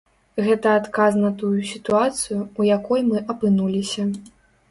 Гэта адказ на тую сітуацыю, у якой мы апынуліся.